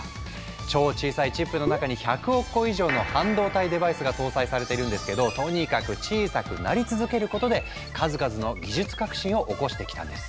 超小さいチップの中に１００億個以上の半導体デバイスが搭載されているんですけどとにかく小さくなり続けることで数々の技術革新を起こしてきたんです。